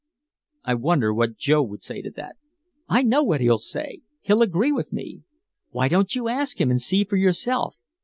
"I wonder what Joe would say to that." "I know what he'll say he'll agree with me. Why don't you ask him and see for yourself?